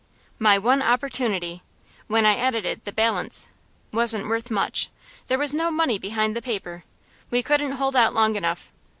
My one opportunity when I edited The Balance wasn't worth much; there was no money behind the paper; we couldn't hold out long enough.